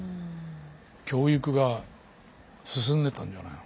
教育が進んでたんじゃ。